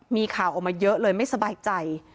มีข่าวออกมาเยอะเลยไม่สบายใจ